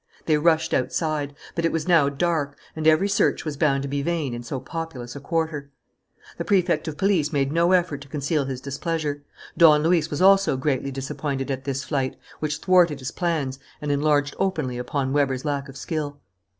They rushed outside. But it was now dark; and every search was bound to be vain in so populous a quarter. The Prefect of Police made no effort to conceal his displeasure. Don Luis was also greatly disappointed at this flight, which thwarted his plans, and enlarged openly upon Weber's lack of skill.